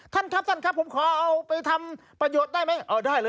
ท่านครับผมขอเอาไปทำประโยชน์ได้ไหม